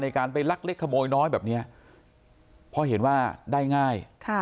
การไปลักเล็กขโมยน้อยแบบนี้เพราะเห็นว่าได้ง่าย